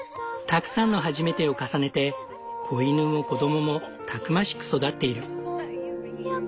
たくさんの初めてを重ねて子犬も子供もたくましく育っている。